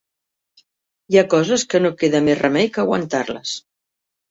Hi ha coses que no queda més remei que aguantar-les.